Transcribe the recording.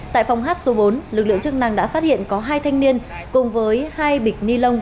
tại phòng hát số bốn lực lượng chức năng đã phát hiện có hai thanh niên cùng với hai bịch ni lông